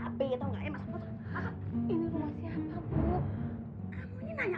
kita harus mungsi dari sini secepatnya